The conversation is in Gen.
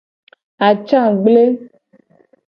Atsa gble.